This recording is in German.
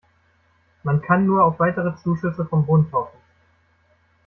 Man kann nur auf weitere Zuschüsse vom Bund hoffen.